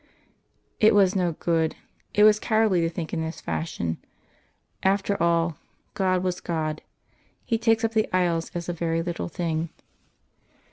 _... It was no good; it was cowardly to think in this fashion. After all, God was God He takes up the isles as a very little thing.